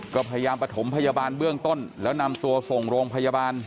ก็พยายามประถมพยาบาลเบื้องต้นแล้วนำตัวส่งโรงพยาบาล